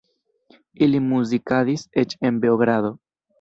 Ili muzikadis eĉ en Beogrado.